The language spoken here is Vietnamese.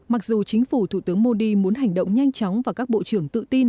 mặc dù chính phủ thủ tướng modi muốn hành động nhanh chóng và các bộ trưởng tự tin